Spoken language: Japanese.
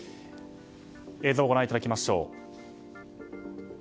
映像をご覧いただきます。